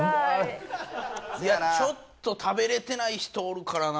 いやちょっと食べれてない人おるからな。